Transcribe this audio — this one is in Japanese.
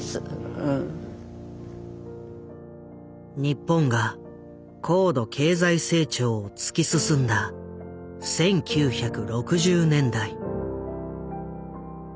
日本が高度経済成長を突き進んだ１９６０年代。